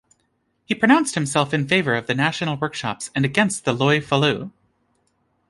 He pronounced himself in favour of the national workshops and against the loi Falloux.